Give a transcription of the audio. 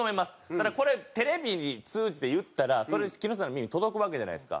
ただこれテレビ通じて言ったらそれ木下さんの耳に届くわけじゃないですか。